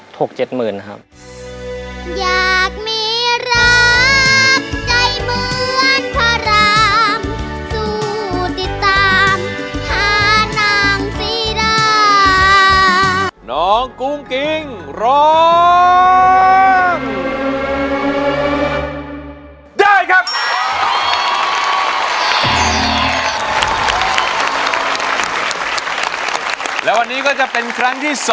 ถูกเจ็ดหมื่นครับ